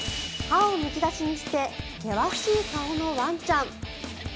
歯をむき出しにして険しい顔のワンちゃん。